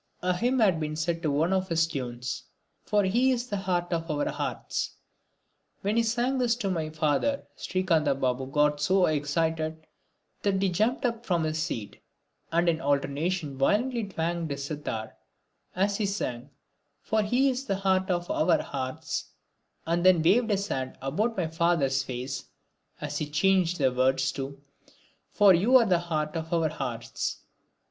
A hymn had been set to one of his tunes, "For He is the heart of our hearts." When he sang this to my father Srikantha Babu got so excited that he jumped up from his seat and in alternation violently twanged his sitar as he sang: "For He is the heart of our hearts" and then waved his hand about my father's face as he changed the words to "For you are the heart of our hearts."